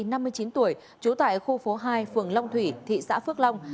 lê thành phước ba mươi chín tuổi trú tại khu phố hai phường long thủy thị xã phước long